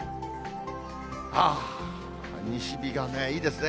ああ、西日がね、いいですね。